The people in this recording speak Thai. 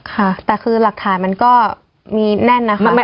ค่ะแต่คือหลักฐานมันก็มีแน่นนะคะ